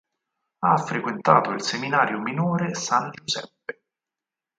Ha frequentato il seminario minore "San Giuseppe".